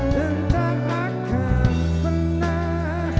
dan tak akan pernah